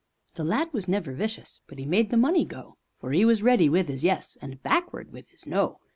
The lad was never vicious, but 'e made the money go, For 'e was ready with 'is "yes," and back ward with 'is "no."